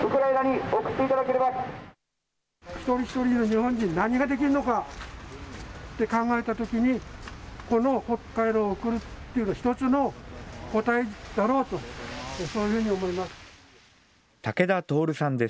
一人一人の日本人、何ができるのかって考えたときに、このホッカイロを送るっていうのが一つの答えだろうと、そういうふうに思います。